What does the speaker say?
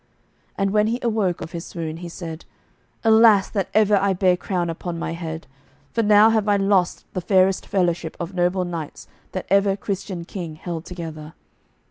And when he awoke of his swoon, he said: "Alas that ever I bare crown upon my head, for now have I lost the fairest fellowship of noble knights that ever Christian king held together.